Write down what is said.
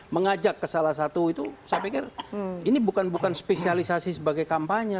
mengajak ke salah satu itu saya pikir ini bukan bukan spesialisasi sebagai kampanye